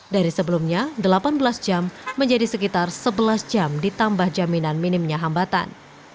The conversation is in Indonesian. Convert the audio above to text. dari sebelumnya delapan belas jam menjadi sekitar sebelas jam ditambah jaminan minimnya hambatan